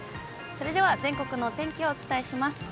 それでは全国のお天気をお伝えします。